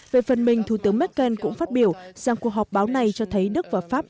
về phần mình thủ tướng merkel cũng phát biểu rằng cuộc họp báo này cho thấy đức và pháp